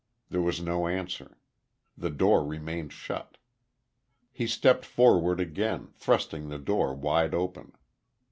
There was no answer; the door remained shut. He stepped forward again, thrusting the door wide open.